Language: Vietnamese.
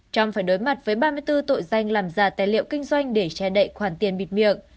trong phải đối mặt với ba mươi bốn tội danh làm giả tài liệu kinh doanh để che đậy khoản tiền bịt miệng